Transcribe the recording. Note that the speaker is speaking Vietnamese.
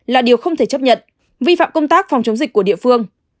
là điều không thể chấp nhận vi phạm công tác phòng chống dịch của địa phương